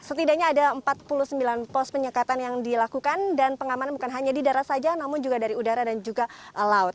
setidaknya ada empat puluh sembilan pos penyekatan yang dilakukan dan pengaman bukan hanya di darat saja namun juga dari udara dan juga laut